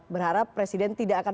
berharap presiden tidak akan